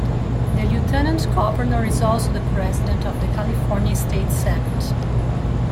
The lieutenant governor is also the President of the California State Senate.